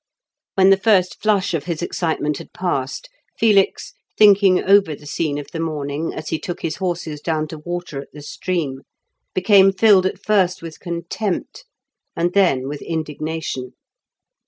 When the first flush of his excitement had passed, Felix, thinking over the scene of the morning as he took his horses down to water at the stream, became filled at first with contempt, and then with indignation.